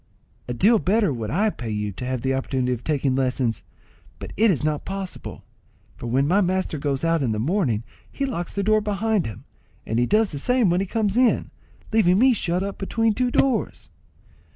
"A deal better would I pay you to have the opportunity of taking lessons; but it is not possible, for when my master goes out in the morning he locks the door behind him, and he does the same when he comes in, leaving me shut up between two doors."